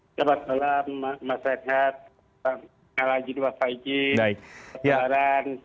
selamat malam mas sehat minal aidin wal faizin selamat lebaran